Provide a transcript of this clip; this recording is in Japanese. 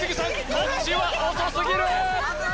こっちは遅すぎる！